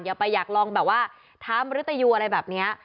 อย่าไปอยากลองแบบว่าทำมริตยูอะไรแบบนี้